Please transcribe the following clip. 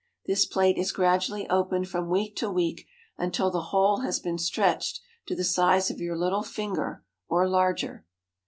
This plate is gradually opened from week to week until the hole has been stretched to the size of your little finger, or larger.